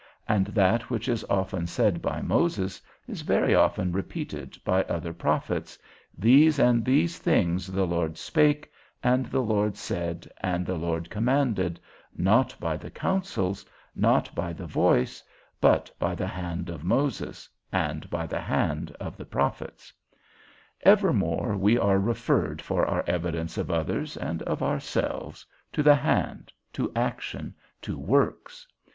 And that which is often said by Moses, is very often repeated by thy other prophets, These and these things the Lord spake, and the Lord said, and the Lord commanded, not by the counsels, not by the voice, but by the hand of Moses, and by the hand of the prophets. Evermore we are referred for our evidence of others, and of ourselves, to the hand, to action, to works.